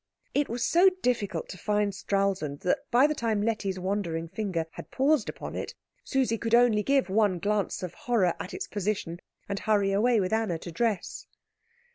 It was so difficult to find Stralsund that by the time Letty's wandering finger had paused upon it Susie could only give one glance of horror at its position, and hurry away with Anna to dress.